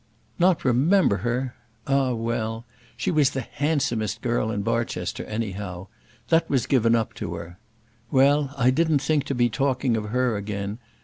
"Not remember her! ah, well. She was the handsomest girl in Barchester, anyhow. That was given up to her. Well, I didn't think to be talking of her again.